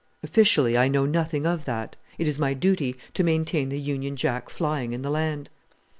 "Officially, I know nothing of that. It is my duty to maintain the Union Jack flying in the land."